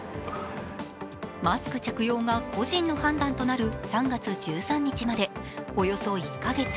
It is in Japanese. マスク着用が個人の判断となる３月１３日までおよそ１か月。